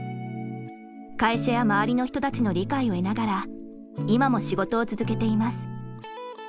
会社や周りの人たちの理解を得ながら今も仕事を続けています。